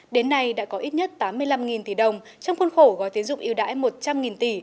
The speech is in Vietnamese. đến nay đã có ít nhất tám mươi năm tỷ đồng trong khuôn khổ gói tín dụng yêu đãi một trăm linh tỷ